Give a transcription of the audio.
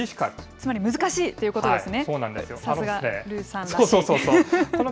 つまり難しいということですね。